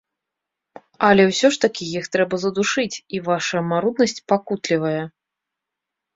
Але ўсё ж такі іх трэба задушыць, і ваша маруднасць пакутлівая.